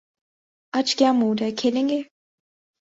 آج کیا موڈ ہے، کھیلیں گے؟